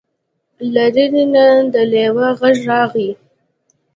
له لرې نه د لیوه غږ راغی.